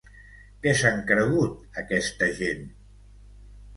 Què s’han cregut, aquesta gent?